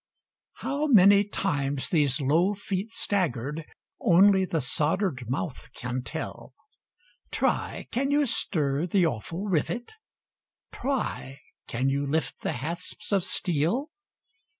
How many times these low feet staggered, Only the soldered mouth can tell; Try! can you stir the awful rivet? Try! can you lift the hasps of steel?